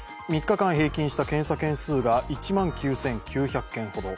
３日間平均した検査件数が１万９９００件ほど。